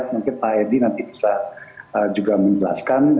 mungkin pak edi nanti bisa juga menjelaskan